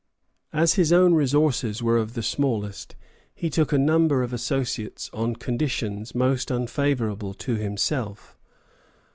As his own resources were of the smallest, he took a number of associates on conditions most unfavorable to himself.